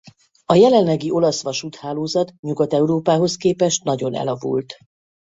A jelenlegi olasz vasúthálózat Nyugat-Európához képest nagyon elavult.